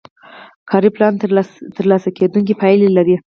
کاري پلان ترلاسه کیدونکې پایلې لري.